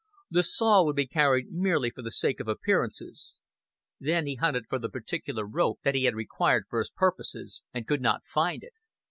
The saw would be carried merely for the sake of appearances. Then he hunted for the particular rope that he required for his purposes, and could not find it.